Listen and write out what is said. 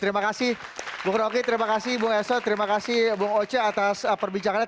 terima kasih bung roky terima kasih bung eso terima kasih bung oce atas perbincangannya